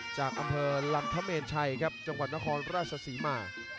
จากอำเภอลันธเมนชัยครับจังหวัดนครราชศรีมา